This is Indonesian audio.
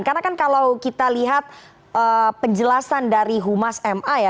karena kan kalau kita lihat penjelasan dari humas ma ya